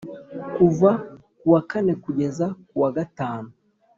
kuva mu kwa kane kugeza mu kwa gatanu